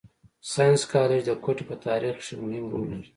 ساینس کالج د کوټي په تارېخ کښي مهم رول لري.